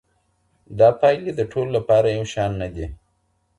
دا پایلې د ټولو لپاره یو شان نه دي.